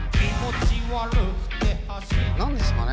何ですかね